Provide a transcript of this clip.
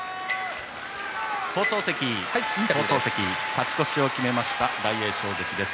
勝ち越しを決めました大栄翔関です。